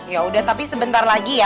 yaudah tapi sebentar lagi ya